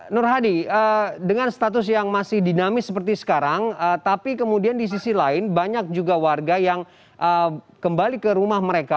nur hadi dengan status yang masih dinamis seperti sekarang tapi kemudian di sisi lain banyak juga warga yang kembali ke rumah mereka